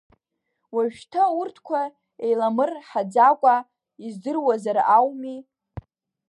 Уажәшьҭа урҭқәа еиламырцҳаӡакәа издыруазар ауми!